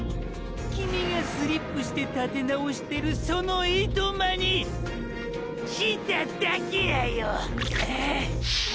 キミがスリップしてたて直してるそのいとまに来ただけやよ。